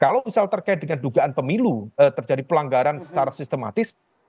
kalau misal terkait dengan dugaan pemilu terjadi pelanggaran secara sistematis